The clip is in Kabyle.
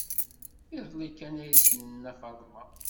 Iḍelli kan ay ssnen Nna Faḍma.